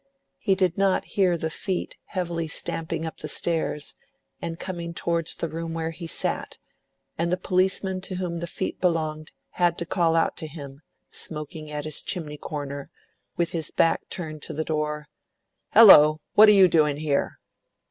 He did not hear the feet heavily stamping up the stairs, and coming towards the room where he sat; and the policeman to whom the feet belonged had to call out to him, smoking at his chimney corner, with his back turned to the door, "Hello! what are you doing here?"